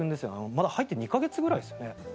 まだ入って２カ月ぐらいっすよね。